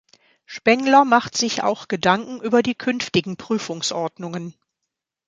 Spengler macht sich auch Gedanken über die künftigen Prüfungsordnungen.